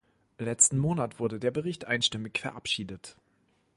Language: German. Letzten Monat wurde der Bericht einstimmig verabschiedet.